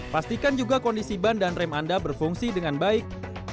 pastikan juga kondisi ban dan rem anda berfungsi dengan baik